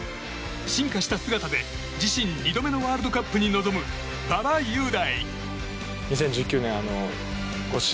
進化した姿で、自身２度目のワールドカップに臨む馬場雄大。